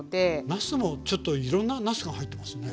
なすもちょっといろんななすが入ってますね。